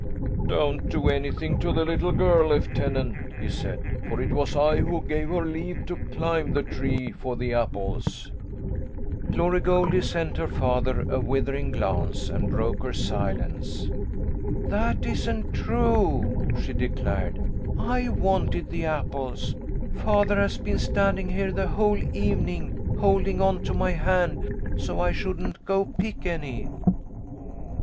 "Don't do anything to the little girl, Lieutenant!" he said. "For it was I who gave her leave to climb the tree for the apples." Glory Goldie sent her father a withering glance, and broke her silence. "That isn't true," she declared. "I wanted the apples. Father has been standing here the whole evening holding onto my hand so I shouldn't go pick any."